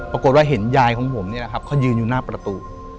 ปรากฏว่าเห็นยายของผมนี่แหละครับเขายืนอยู่หน้าประตู